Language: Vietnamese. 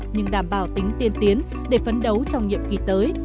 nhưng đảm bảo tính tiên tiến để phấn đấu trong nhiệm kỳ tới